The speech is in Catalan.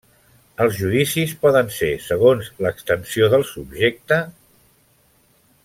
Els judicis poden ser segons a l'extensió del subjecte: